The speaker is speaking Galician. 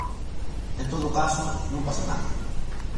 En todo caso, non pasa nada.